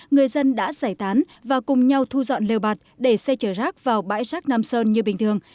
người dân đã giải tán và cùng nhau thu dọn lều bạt để xe chở rác vào bãi rác nam sơn như bình thường